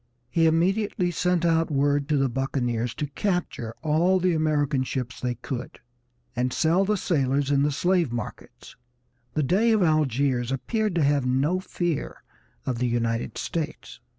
He immediately sent out word to the buccaneers to capture all the American ships they could, and sell the sailors in the slave markets. The Dey of Algiers appeared to have no fear of the United States.